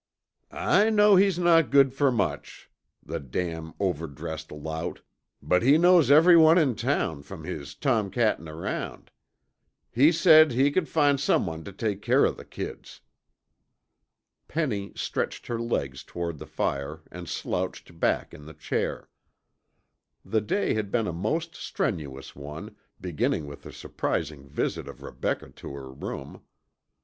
"I know he's not good fer much, the damn overdressed lout, but he knows everyone in town from his tomcattin' around. He said he c'd find someone tuh take care of the kids." Penny stretched her legs toward the fire and slouched back in the chair. The day had been a most strenuous one, beginning with the surprising visit of Rebecca to her room.